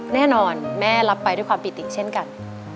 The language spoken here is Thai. แน่นอนแม่รับไปด้วยความปิติเช่นกัน